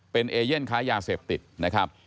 เป็นเอเย่นค้ายาเสพติดนะครับ